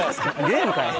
ゲームかい。